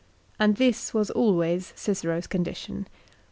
And this was always Cicero's condition.